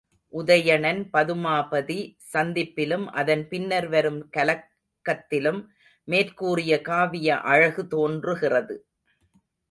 உதயணன்பதுமாபதி சந்திப்பிலும், அதன் பின்னர் வரும் கலக்கத்திலும் மேற்கூறிய காவிய அழகு தோன்றுகிறது.